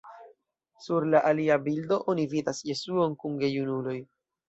Sur la alia bildo oni vidas Jesuon kun gejunuloj.